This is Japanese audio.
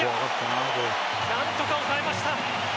何とか押えました。